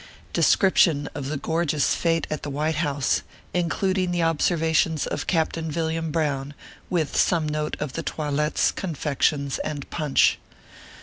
DESCRIPTION OF THE GORGEOUS PKTE AT THE WHITE HOUSE, INCLUD ING THE OBSERVATIONS OF CAPTAIN VILLIAM BROWN : WITH SOME NOTE OF THE TOILETTES, CONFECTIONS, AND PUNCH.